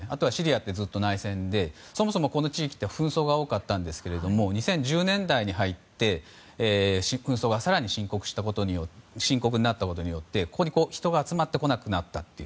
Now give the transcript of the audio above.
ずっと内戦でそもそもこの地域は紛争が多かったんですが２０１０年代に入って紛争が更に深刻になったことでここに人が集まってこなくなったと。